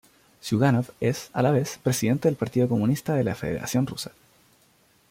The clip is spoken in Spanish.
Ziugánov es, a la vez, presidente del Partido Comunista de la Federación Rusa.